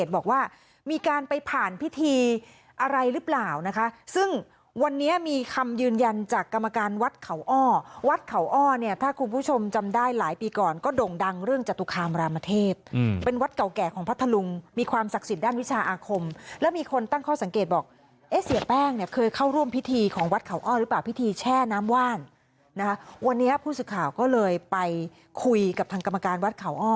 บอกว่ามีการไปผ่านพิธีอะไรหรือเปล่านะคะซึ่งวันนี้มีคำยืนยันจากกรรมการวัดเขาอ้อวัดเขาอ้อเนี่ยถ้าคุณผู้ชมจำได้หลายปีก่อนก็ด่งดังเรื่องจตุคามรามเทพเป็นวัดเก่าแก่ของพระทะลุงมีความศักดิ์สินด้านวิชาอาคมแล้วมีคนตั้งข้อสังเกตบอกเอ๊ะเสียแป้งเนี่ยเคยเข้าร่วมพิธีของวัดเขาอ้อ